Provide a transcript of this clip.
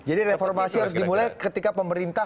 jadi reformasi harus dimulai ketika pemerintah